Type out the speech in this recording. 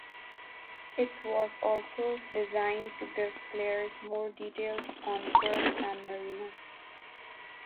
It was also designed to give players more details on Pearl and Marina.